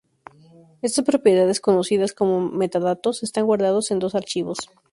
Estas propiedades, conocidas como metadatos, están guardadas en dos archivos.